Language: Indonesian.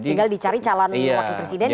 tinggal dicari calon wakil presidennya